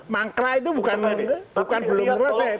mangkra itu bukan belum selesai